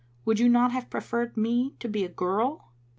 Would you not have preferred me to be a girl?"